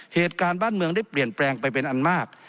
เหตุการณ์บ้านเมืองได้เปลี่ยนแปลงไปเป็นอันมาก